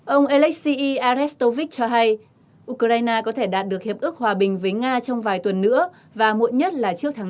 ông alexei arestovich cho hay ukraine có thể đạt được hiệp ước hòa bình với nga trong vài tuần nữa và muộn nhất là trước tháng năm